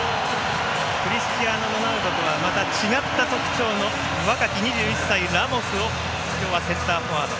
クリスチアーノ・ロナウドとはまた違った特徴の若き２１歳ラモスを今日はセンターフォワード。